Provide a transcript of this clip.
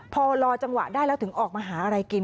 พอรอจังหวะได้แล้วถึงออกมาหาอะไรกิน